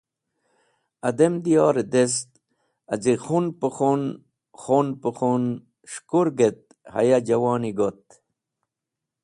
Adem diyor dest az̃i khun pẽ khun, khun pẽ khun, s̃hukurg et haya juwoni got.